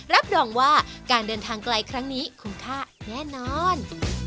รับรองว่าการเดินทางไกลครั้งนี้คุ้มค่าแน่นอน